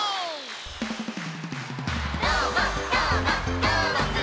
「どーもどーもどーもくん！」